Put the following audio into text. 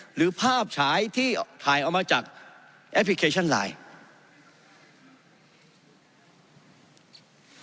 หรือภาพฉายที่ถ่ายเอามาจากแอปพลิเคชันไลน์